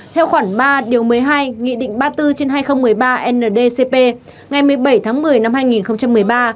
theo khoản ba điều một mươi hai nghị định ba mươi bốn trên hai nghìn một mươi ba ndcp ngày một mươi bảy tháng một mươi năm hai nghìn một mươi ba